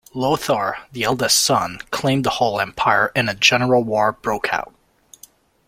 Lothar, the eldest son, claimed the whole empire and a general war broke out.